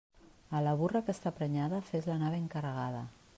A la burra que està prenyada, fes-la anar ben carregada.